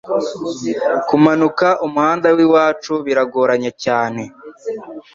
Kumanuka Umuhanda w’iwacu biragoranye cyane